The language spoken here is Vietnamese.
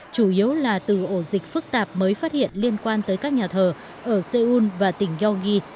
chủ yếu là từ ổ dịch phức tạp mới phát hiện liên quan tới các nhà thờ ở seoul và tỉnh gyeonggi